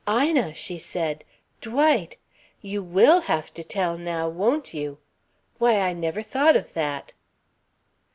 "Ina!" she said. "Dwight! You will have to tell now, won't you? Why I never thought of that."